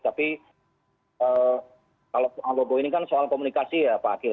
tapi kalau soal logo ini kan soal komunikasi ya pak akil